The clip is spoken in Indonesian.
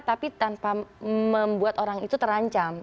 tapi tanpa membuat orang itu terancam